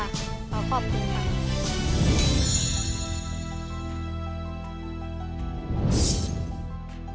ขอขอบคุณค่ะ